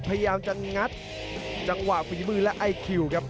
พยายามจะงัดจังหวะฝีมือและไอคิวครับ